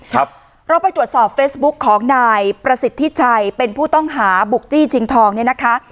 ครับเราไปตรวจสอบเฟซบุ๊กของนายประสิทธิชัยเป็นผู้ต้องหาบุกจี้ชิงทองเนี่ยนะคะ